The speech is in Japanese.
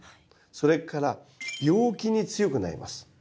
それから病気に強くなります。